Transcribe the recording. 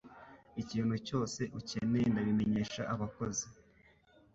Ikintu cyose ukeneye ndabimenyesha abakozi